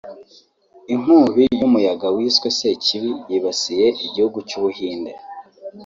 Inkubi y’umuyaga wiswe sekibi yibasiye igihugu cy’u Buhinde